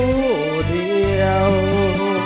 ไม่ใช้ครับไม่ใช้ครับ